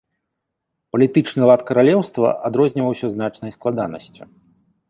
Палітычны лад каралеўства адрозніваўся значнай складанасцю.